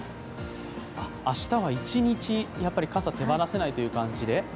明日は一日、傘手放せないという感じで？